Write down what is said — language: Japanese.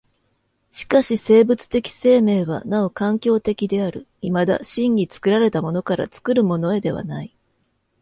しかし生物的生命はなお環境的である、いまだ真に作られたものから作るものへではない。